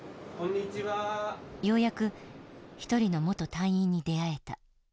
ようやく一人の元隊員に出会えた。